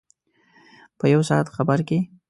په یو ساعت خبر کې.